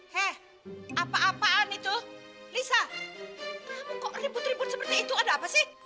hei apa apaan itu lisa aku kok ribut ribut seperti itu ada apa sih